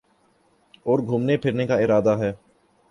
اور گھومنے پھرنے کا ارادہ ہے